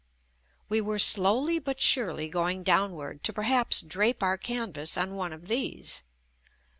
We were slowly but surely going JUST ME downward to perhaps drape our canvas on one of these.